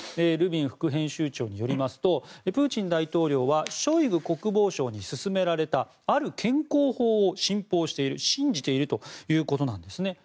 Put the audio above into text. ルビン副編集長によりますとプーチン大統領はショイグ国防相に勧められたある健康法を信奉している信じているということです。